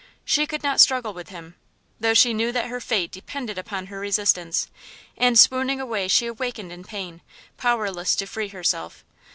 She could not struggle with him, though she knew that her fate depended upon her resistance, and swooning away she awakened in pain, powerless to free herself....